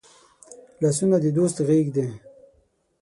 لاسونه د دوست غېږ دي